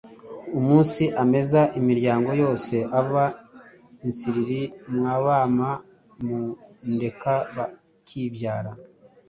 Umunsi ameza imiryango yose ava i Nsiriri Mwa Bama-mu-ndeka ba Kibyara-